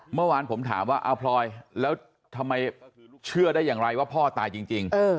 เมื่อวานผมถามว่าเอาพลอยแล้วทำไมเชื่อได้อย่างไรว่าพ่อตายจริง